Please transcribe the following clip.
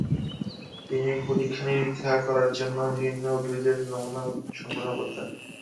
তিনি পরীক্ষানিরীক্ষা করার জন্য বিভিন্ন উদ্ভিদের নমুনা সংগ্রহ করতেন।